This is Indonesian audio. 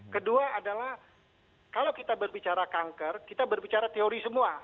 kedua adalah kalau kita berbicara kanker kita berbicara teori semua